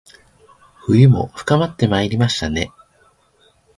冬も深まってまいりましたね